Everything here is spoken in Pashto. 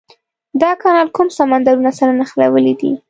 دا کانال کوم سمندرونه سره نښلولي دي؟